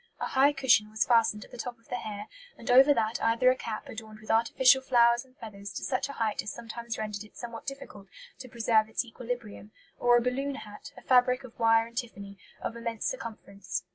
A high cushion was fastened at the top of the hair, and over that either a cap adorned with artificial flowers and feathers to such a height as sometimes rendered it somewhat difficult to preserve its equilibrium, or a balloon hat, a fabric of wire and tiffany, of immense circumference.